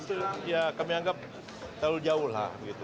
itu ya kami anggap terlalu jauh lah